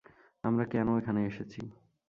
আমরা কেন এখানে এসেছি?